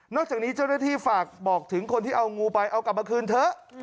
จากนี้เจ้าหน้าที่ฝากบอกถึงคนที่เอางูไปเอากลับมาคืนเถอะ